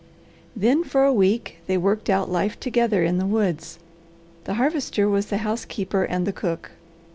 Then for a week they worked out life together in the woods. The Harvester was the housekeeper and the cook.